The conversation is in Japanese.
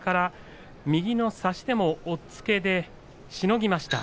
右の差し手も押っつけでしのぎました。